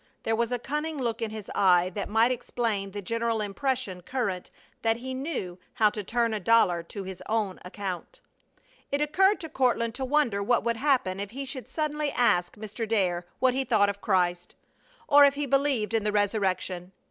There was a cunning look in his eye that might explain the general impression current that he knew how to turn a dollar to his own account. It occurred to Courtland to wonder what would happen if he should suddenly ask Mr. Dare what he thought of Christ, or if he believed in the resurrection.